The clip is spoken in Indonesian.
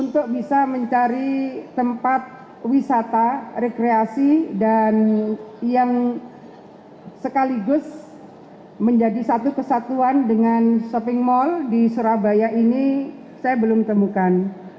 untuk bisa mencari tempat wisata rekreasi dan yang sekaligus menjadi satu kesatuan dengan shopping mall di surabaya ini saya belum temukan